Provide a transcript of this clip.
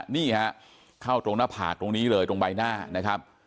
นี่ฮะเข้าตรงหน้าผากตรงนี้เลยตรงใบหน้านะครับ